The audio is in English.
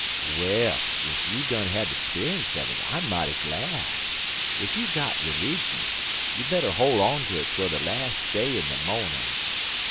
"Well, ef you done had de speunce un it, I'm mighty glad. Ef you got 'lijjun, you better hol' on to it 'twel de las' day in de mornin'.